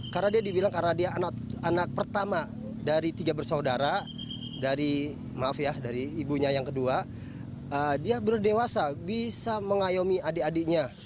karena dia dibilang anak pertama dari tiga bersaudara dari ibunya yang kedua dia berdewasa bisa mengayomi adik adiknya